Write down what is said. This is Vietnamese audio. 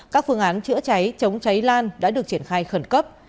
các phương án chữa cháy chống cháy lan đã được triển khai khẩn cấp